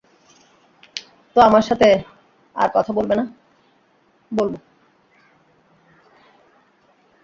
তো, আমার সাথে আর কথা বলবে না?